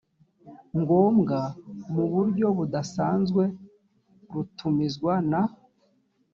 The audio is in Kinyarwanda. ngombwa mu buryo budasanzwe rutumizwa na